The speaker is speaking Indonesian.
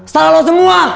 salah lo semua